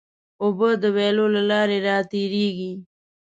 اوبه د ویالو له لارې راتېرېږي.